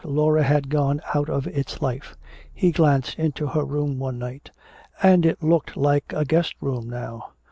Laura had gone out of its life. He glanced into her room one night, and it looked like a guest room now.